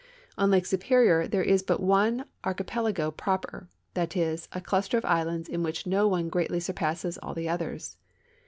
In Lake Superior there is but one archipelago proper — that is, a cluster of islands in which no one greatly surpasses all the others.